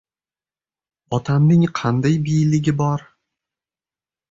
–Otamning qanday biyligi bor?